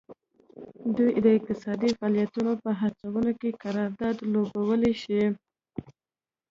دوی د اقتصادي فعالیتونو په هڅونه کې کردار لوبولی شي